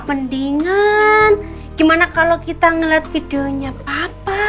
mendingan gimana kalau kita ngeliat videonya apa